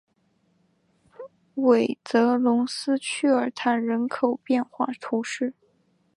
韦泽龙斯屈尔坦人口变化图示